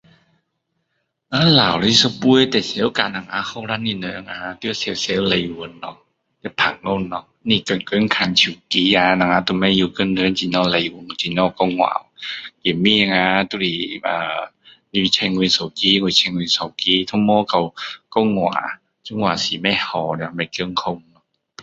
我们老的一辈最常教我们年轻人啊要常常来往咯要谈天咯天天看手机啊我们都不知道怎样跟人来往怎样讲话去见面啊呃都是你玩你手机我玩我手机都没有说讲话这样是不好的哦不健康